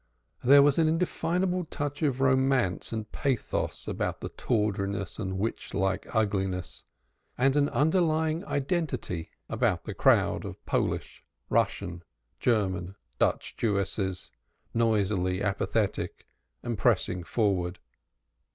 Yet there was an indefinable touch of romance and pathos about the tawdriness and witch like ugliness, and an underlying identity about the crowd of Polish, Russian, German, Dutch Jewesses, mutually apathetic, and pressing forwards.